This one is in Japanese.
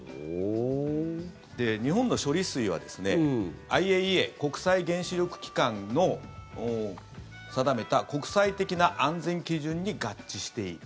で、日本の処理水はＩＡＥＡ・国際原子力機関の定めた国際的な安全基準に合致している。